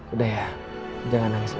udah ya jangan nangis